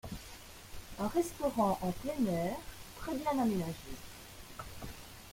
Un restaurant en plein air très bien aménagé.